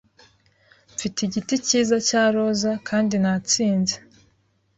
Mfite igiti cyiza cya roza Kandi natsinze